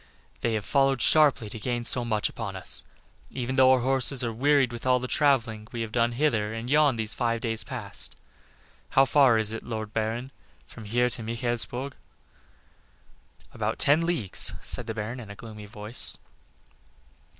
"They have followed sharply to gain so much upon us, even though our horses are wearied with all the travelling we have done hither and yon these five days past. How far is it, Lord Baron, from here to Michaelsburg?" "About ten leagues," said the Baron, in a gloomy voice.